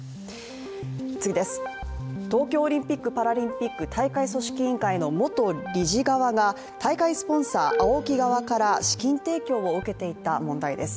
東京オリンピック・パラリンピック大会組織委員会の元理事側が大会スポンサーＡＯＫＩ側から資金提供を受けていた問題です。